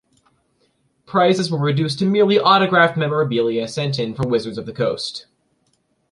Prizes were reduced to merely autographed memorabilia sent in from Wizards of the Coast.